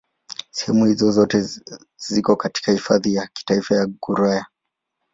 Sehemu hizo zote ziko katika Hifadhi ya Kitaifa ya Gouraya.